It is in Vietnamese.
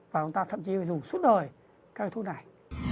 và chúng ta thậm chí phải dùng suốt đời các cái thuốc này